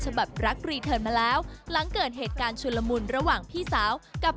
รักรีเทิร์นมาแล้วหลังเกิดเหตุการณ์ชุนละมุนระหว่างพี่สาวกับ